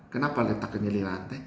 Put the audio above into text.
kenapa letaknya di lantai